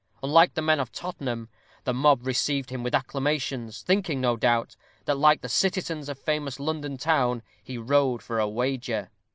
Unlike the men of Tottenham, the mob received him with acclamations, thinking, no doubt, that, like "the citizens of famous London town," he rode for a wager.